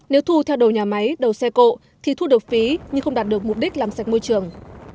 nếu thu theo đầu nhà máy đầu xe cộ thì thu được phí nhưng không đạt được mục đích làm sạch môi trường